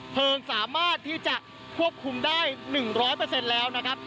เพลิงสามารถที่จะควบคุมได้หนึ่งร้อยเปอร์เซ็นต์แล้วนะครับ